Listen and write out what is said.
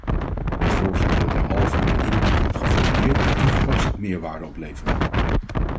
Het voorstel zal derhalve, indien goed geformuleerd en toegepast, meerwaarde opleveren.